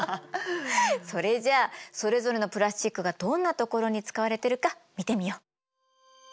それじゃあそれぞれのプラスチックがどんな所に使われてるか見てみよう。